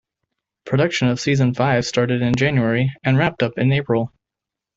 Production of Season Five started in January and wrapped up in April.